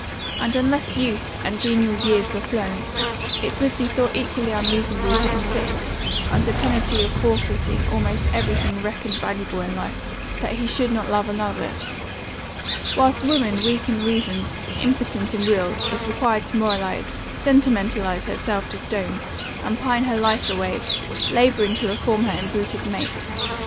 And unless 'youth, and genial years were flown,' it would be thought equally unreasonable to insist, [under penalty of] forfeiting almost every thing reckoned valuable in life, that he should not love another: whilst woman, weak in reason, impotent in will, is required to moralize, sentimentalize herself to stone, and pine her life away, labouring to reform her embruted mate.